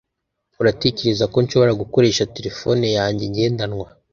uratekereza ko nshobora gukoresha terefone yanjye ngendanwa